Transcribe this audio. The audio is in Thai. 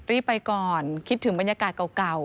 รีบไปก่อนคิดถึงบรรยากาศเก่า